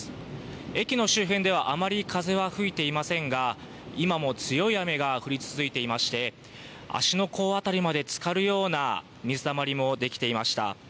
駅の周辺ではあまり風は吹いていませんが、今も強い雨が降り続いていまして、足の甲辺りまでつかるような水たまりも出来ていました。